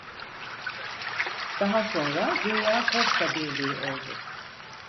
Daha sonra Dünya Posta Birliği oldu.